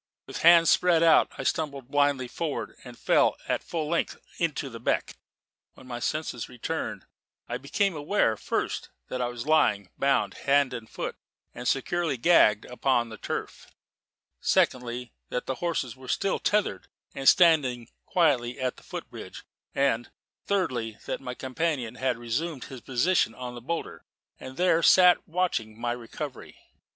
With hands spread out, I stumbled blindly forward and fell at full length into the beck. When my senses returned, I became aware, first that I was lying, bound hand and foot and securely gagged, upon the turf; secondly, that the horses were still tethered, and standing quietly at the foot bridge; and, thirdly, that my companion had resumed his position on the boulder, and there sat watching my recovery.